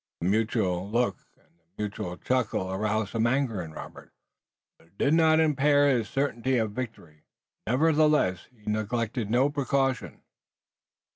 The mutual look and the mutual chuckle aroused some anger in Robert, but did not impair his certainty of victory. Nevertheless he neglected no precaution.